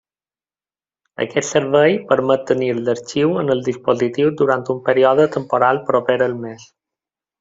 Aquest servei permet tenir l'arxiu en el dispositiu durant un període temporal proper al mes.